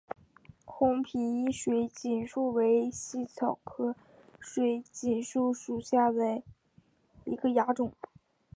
红皮水锦树为茜草科水锦树属下的一个亚种。